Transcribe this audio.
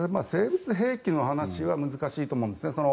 生物兵器の話は難しいと思うんですね。